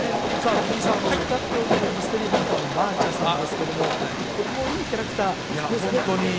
藤井さんあの歌って踊るミステリーハンターのマーチャさんですけどもとてもいいキャラクターですねいや